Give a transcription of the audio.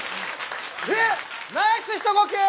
ナイス一呼吸！